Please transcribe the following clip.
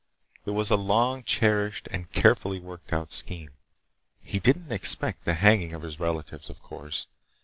It was a long cherished and carefully worked out scheme. He didn't expect the hanging of his relatives, of course.